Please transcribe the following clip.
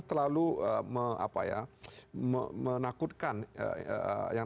terlalu me apa ya menakutkan yang